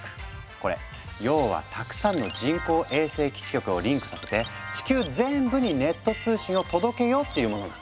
これ要はたくさんの人工衛星基地局をリンクさせて地球全部にネット通信を届けようっていうものなの。